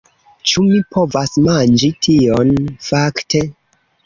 Ĉu mi povas manĝi tion, fakte?